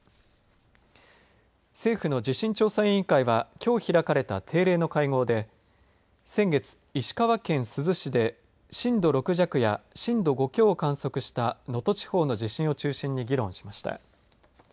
政府の地震調査委員会はきょう開かれた定例の会合で先月、石川県珠洲市で震度６弱や震度５強を観測した能登地方の地震を中心に議論しました。